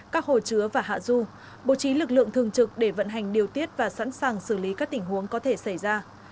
các hồ chứa và hạ du bố trí lực lượng thường trực để vận hành điều tiết và sẵn sàng xử lý các tình huống có thể xảy ra